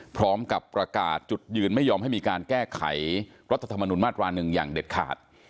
พร้อมกับประกาศจุดยืนไม่ยอมให้มีการแก้ไขรัฐธรรมนุนมาตรา๑อย่างเด็ดขาด